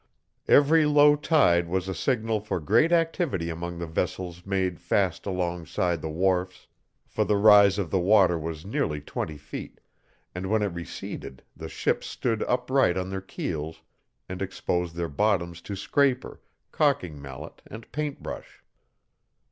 Every low tide was a signal for great activity among the vessels made fast alongside the wharfs, for the rise of the water was nearly twenty feet, and when it receded the ships stood upright on their keels and exposed their bottoms to scraper, calking mallet, and paint brush.